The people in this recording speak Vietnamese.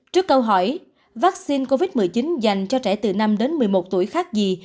trước câu hỏi vaccine covid một mươi chín dành cho trẻ từ năm đến một mươi một tuổi khác gì